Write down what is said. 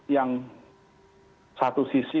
yang satu sisi